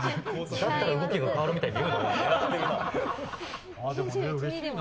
だったら変わるみたいに言うな。